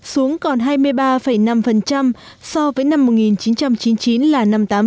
xuống còn hai mươi ba năm so với năm một nghìn chín trăm chín mươi chín là năm mươi tám